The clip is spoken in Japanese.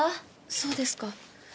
そうですか。